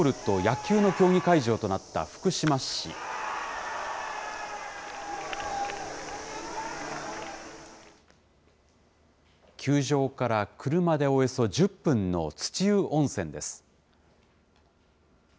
球場から車でおよそ１０分の土湯温泉です。